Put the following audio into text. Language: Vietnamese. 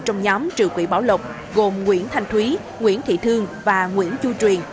trong nhóm trưởng quỹ bảo lộc gồm nguyễn thanh thúy nguyễn thị thương và nguyễn chu truyền